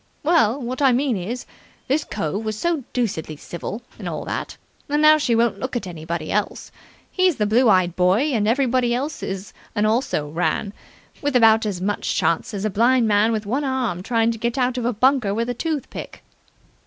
Well, what I mean is, this cove was so deucedly civil, and all that, that now she won't look at anybody else. He's the blue eyed boy, and everybody else is an also ran, with about as much chance as a blind man with one arm trying to get out of a bunker with a tooth pick."